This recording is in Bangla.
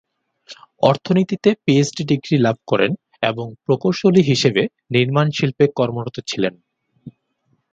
অর্থনীতিতে পিএইচডি ডিগ্রী লাভ করেন এবং প্রকৌশলী হিসেবে নির্মাণ শিল্পে কর্মরত ছিলেন।